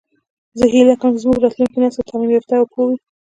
زه هیله کوم چې زموږ راتلونکی نسل تعلیم یافته او پوه وي